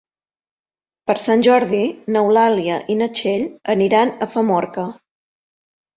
Per Sant Jordi n'Eulàlia i na Txell aniran a Famorca.